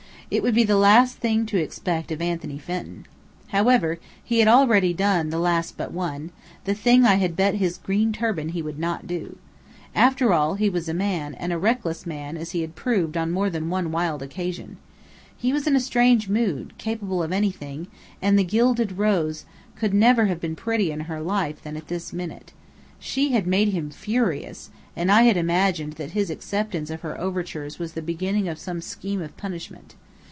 It would be the last thing to expect of Anthony Fenton. However, he had already done the last but one; the thing I had bet his green turban he would not do. After all, he was a man, and a reckless man, as he had proved on more than one wild occasion. He was in a strange mood, capable of anything; and the Gilded Rose could never have been prettier in her life than at this minute. She had made him furious, and I had imagined that his acceptance of her overtures was the beginning of some scheme of punishment.